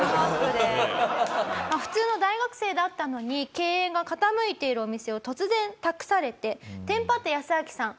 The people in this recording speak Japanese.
普通の大学生だったのに経営が傾いているお店を突然託されてテンパったヤスアキさん